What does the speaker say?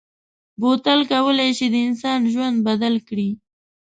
بوتل کولای شي د انسان ژوند بدل کړي.